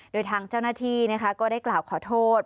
โดยทางเจ้าหน้าที่ก็ได้กล่าวขอโทษ